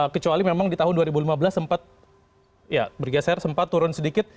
kecuali memang di tahun dua ribu lima belas sempat bergeser sempat turun sedikit